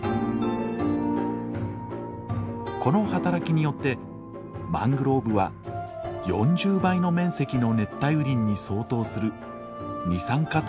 この働きによってマングローブは４０倍の面積の熱帯雨林に相当する二酸化炭素の吸収量を誇る。